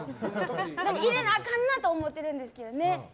でも、入れなあかんなと思っているんですけどね。